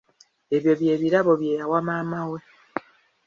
Ebyo bye birabo bye yawa maama we.